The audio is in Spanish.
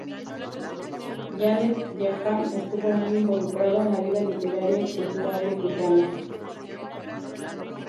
Janet Jagan estuvo muy involucrada en la vida literaria y cultural de Guyana.